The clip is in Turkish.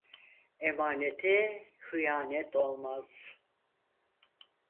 Emanete hıyanet olmaz.